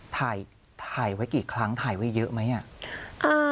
ถ่ายถ่ายไว้กี่ครั้งถ่ายไว้เยอะไหมอ่ะ